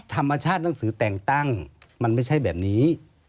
ธรรมชาติหนังสือแต่งตั้งมันไม่ใช่แบบนี้